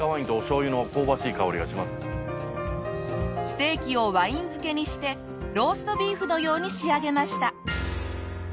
ステーキをワイン漬けにしてローストビーフのように仕上げました。